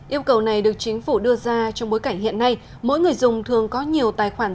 yêu cầu này được chính phủ đưa ra trong bối cảnh hiện nay mỗi người dùng thường có nhiều tài khoản